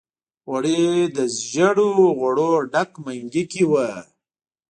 غوړي له زېړو غوړو ډک منګي کې وو.